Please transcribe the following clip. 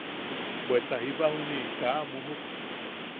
Bweta jiba juniʼi kaa a muujuk.